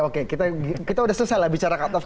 kita sudah selesai lah bicara cut off